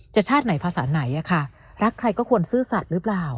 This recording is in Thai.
ชาติไหนภาษาไหนอะค่ะรักใครก็ควรซื่อสัตว์หรือเปล่า